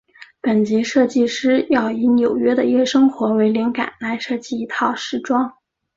本集设计师要以纽约的夜生活为灵感来设计一套时装。